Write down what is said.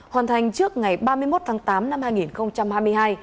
hoàn thành trước ngày ba mươi một tháng tám năm hai nghìn hai mươi hai